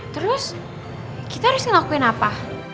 terus kita harus ngelakuin apa